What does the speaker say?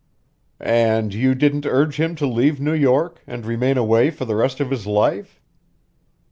"And you didn't urge him to leave New York and remain away for the rest of his life?"